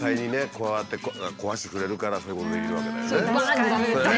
こうやって壊してくれるからそういうことできるわけだよね。